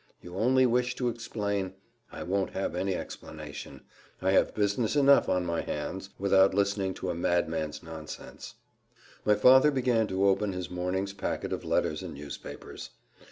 You only wish to explain I won't have any explanation I have business enough on my hands, without listening to a madman's nonsense!" My father began to open his morning's packet of letters and newspapers.